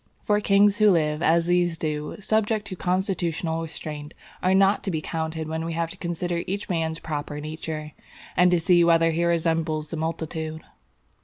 For kings who live, as these do, subject to constitutional restraint, are not to be counted when we have to consider each man's proper nature, and to see whether he resembles the multitude.